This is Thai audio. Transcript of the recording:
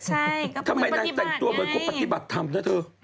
ใช่ก็เพราะปฏิบัติไงทำไมนางแต่งตัวเหมือนกับปฏิบัติธรรมนะเธอ